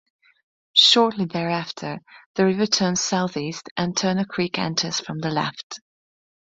Shortly thereafter, the river turns southeast, and Turner Creek enters from the left.